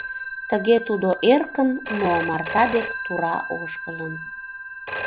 Тыге тудо эркын, но омарта дек тура ошкылын.